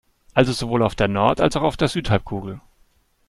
Also sowohl auf der Nord- als auch auf der Südhalbkugel.